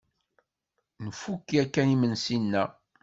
Nfuk yakan imensi-nneɣ.